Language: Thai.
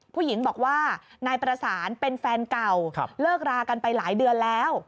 ผู้หญิงบอกว่านายประสานเป็นแฟนเก่าเลิกรากันไปหลายเดือนแล้ว